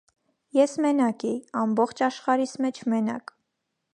Ես մենակ էի, ամբողջ աշխարհիս մեջ մենակ…